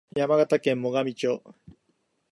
山形県最上町